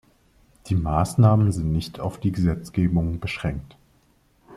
Die Maßnahmen sind nicht auf die Gesetzgebung beschränkt.